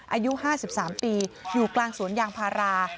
อายุ๕๓ปีอยู่กลางสวนยางพารา